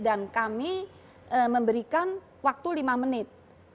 dan kami memberikan waktu lima menit